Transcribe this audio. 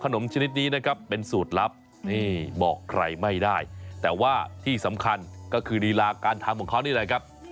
การทำของเขานี่เลยครับ